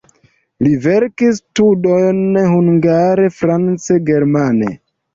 Li verkis studojn hungare, france, germane.